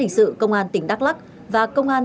hình sự công an tỉnh đắk lắc và công an